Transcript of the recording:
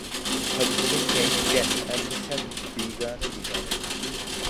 قايتمىدىڭ كەينىڭگە، ئەمدى سەن بىگانە بىگانە.